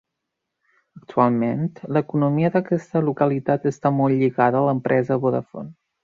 Actualment l'economia d'aquesta localitat està molt lligada a l'empresa Vodafone.